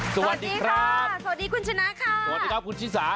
สวัสดีครับสวัสดีคุณชนะค่ะสวัสดีครับคุณชิสา